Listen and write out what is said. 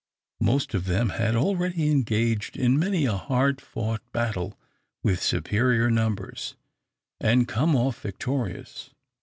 Most of them had already engaged in many a hard fought battle with superior numbers, and come off victorious.